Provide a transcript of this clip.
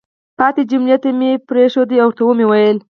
پاتې جملې ته مې پرېنښود او ورته ومې ویل: